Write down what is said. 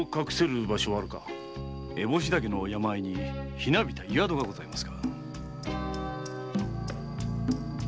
烏帽子岳の山あいにひなびた湯宿がございます。